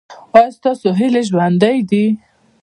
ایا ستاسو هیلې ژوندۍ دي؟